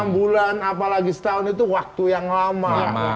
enam bulan apalagi setahun itu waktu yang lama